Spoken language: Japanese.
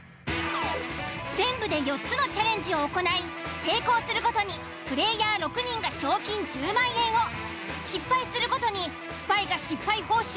全部で４つのチャレンジを行い成功するごとにプレイヤー６人が賞金１０万円を失敗するごとにスパイが失敗報酬